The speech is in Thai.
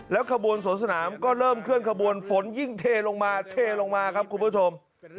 ขบวนสวนสนามก็เริ่มเคลื่อนขบวนฝนยิ่งเทลงมาเทลงมาครับคุณผู้ชม